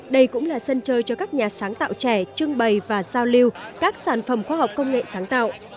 đây cũng là sân chơi cho các nhà sáng tạo trẻ trưng bày và giao lưu các sản phẩm khoa học công nghệ sáng tạo